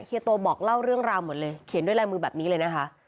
โตบอกเล่าเรื่องราวหมดเลยเขียนด้วยลายมือแบบนี้เลยนะคะ